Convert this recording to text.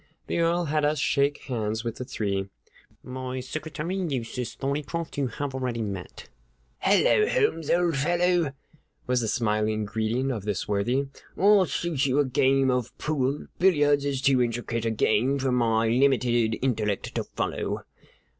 The Earl had us shake hands with the three. "My secretary, Eustace Thorneycroft, you have already met." "Hello, Holmes, old fellow," was the smiling greeting of this worthy. "I'll shoot you a game of pool. Billiards is too intricate a game for my limited intellect to follow."